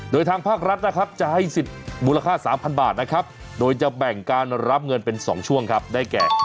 โดยทางภาครัฐนะครับจะให้สิทธิ์มูลค่า๓๐๐บาทนะครับโดยจะแบ่งการรับเงินเป็น๒ช่วงครับได้แก่